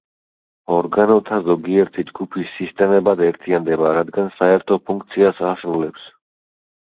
ორგანოთა ზოგიერთი ჯგუფი სისტემებად ერთიანდება, რადგან საერთო ფუნქციას ასრულებს.